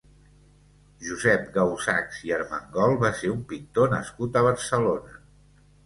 Josep Gausachs i Armengol va ser un pintor nascut a Barcelona.